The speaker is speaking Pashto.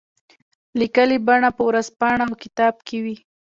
لیکلي بڼه په ورځپاڼه او کتاب کې وي.